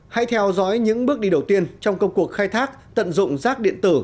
hãy theo dõi những bước đi đầu tiên trong công cuộc khai thác tận dụng rác điện tử